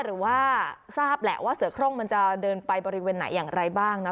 หรือว่าทราบแหละว่าเสือโครงมันจะเดินไปบริเวณไหนอย่างไรบ้างนะ